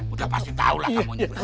udah pasti tahu lah kamu nyuruh